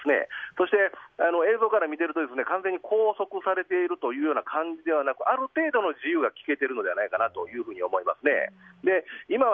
そして映像から見ていると完全に拘束されているという感じではなくある程度の自由は利けているのではないかなと思いますね。